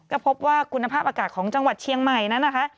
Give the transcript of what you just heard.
ก็พบว่าคุณภาพอากาศของจังหวัดเชียงใหม่นั้นนะคะ